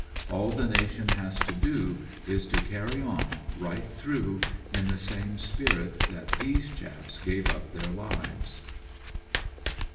All the nation has to do is to carry on, right through, in the same spirit that these chaps gave up their lives."